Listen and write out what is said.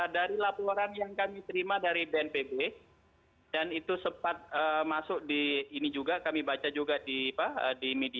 dari laporan yang kami terima dari bnpb dan itu sempat masuk di ini juga kami baca juga di media